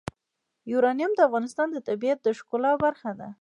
یورانیم د افغانستان د طبیعت د ښکلا برخه ده.